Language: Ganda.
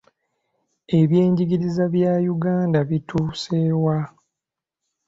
Ebyenjigiriza bya Uganda bituuse wa?